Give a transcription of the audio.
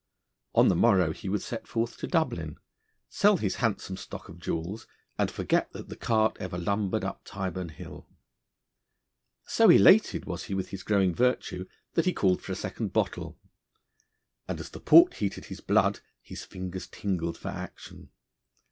On the morrow he would set forth to Dublin, sell his handsome stock of jewels, and forget that the cart ever lumbered up Tyburn Hill. So elated was he with his growing virtue, that he called for a second bottle, and as the port heated his blood his fingers tingled for action.